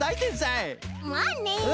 まあね。